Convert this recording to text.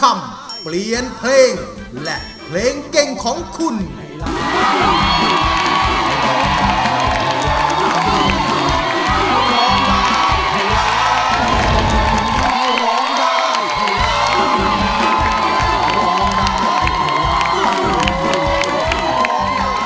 มีสิทธิ์ใช้ตัวช่วยคนละ๑ล้านบาท